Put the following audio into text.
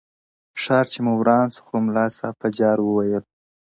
o ښار چي مو وران سو خو ملا صاحب په جار وويل ـ